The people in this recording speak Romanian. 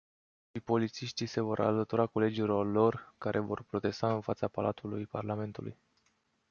Și polițiștii se vor alătura colegilor lor, care vor protesta în fața Palatului Parlamentului.